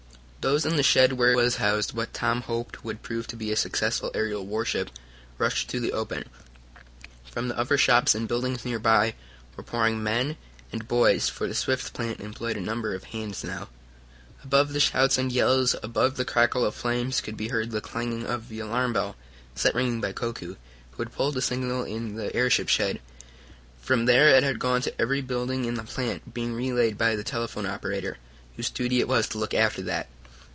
Those in the shed where was housed what Tom hoped would prove to be a successful aerial warship rushed to the open. From the other shops and buildings nearby were pouring men and boys, for the Swift plant employed a number of hands now. Above the shouts and yells, above the crackle of flames, could be heard the clanging of the alarm bell, set ringing by Koku, who had pulled the signal in the airship shed. From there it had gone to every building in the plant, being relayed by the telephone operator, whose duty it was to look after that.